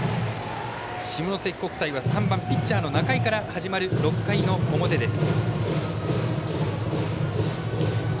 下関国際は３番ピッチャーの仲井から始まる６回の表です。